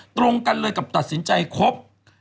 ตรงกันเลยกับตัดสินใจครบ